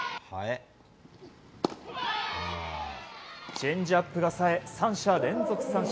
チェンジアップが冴え３者連続三振。